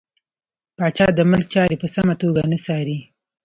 پاچا د ملک چارې په سمه توګه نه څاري .